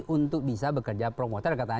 untuk bisa bekerja promoter